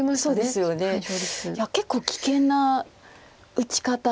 いや結構危険な打ち方です。